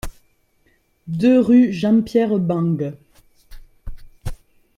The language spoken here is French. deux rue Jean-Pierre Bangue